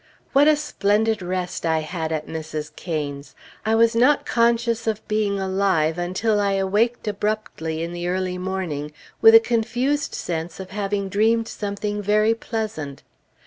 What a splendid rest I had at Mrs. Cain's! I was not conscious of being alive until I awaked abruptly in the early morning, with a confused sense of having dreamed something very pleasant.